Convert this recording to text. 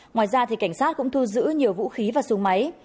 ngoài ra cảnh sát cũng thu giữ nhiều vũ khí và súng máy